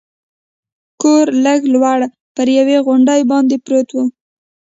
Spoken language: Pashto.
کور لږ لوړ پر یوې غونډۍ باندې پروت و.